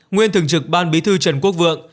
nguyên thường trực ban bí thư trần quốc vượng